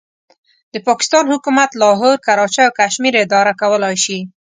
د پاکستان حکومت لاهور، کراچۍ او کشمیر اداره کولای شي.